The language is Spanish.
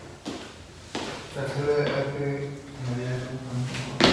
Se accede a este mediante un camino rural.